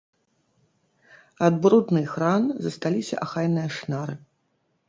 Ад брудных ран засталіся ахайныя шнары.